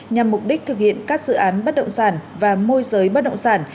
nhằm mục đích thực hiện các dự án bắt động sản và môi giới bắt động sản